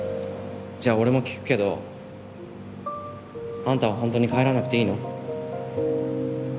じゃあ俺も聞くけどあんたは本当に帰らなくていいの？